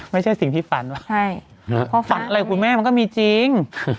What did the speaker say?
มันก็มีจริง